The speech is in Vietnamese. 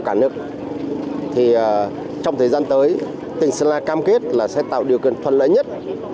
cả nước thì trong thời gian tới tỉnh sơn la cam kết là sẽ tạo điều kiện thuận lợi nhất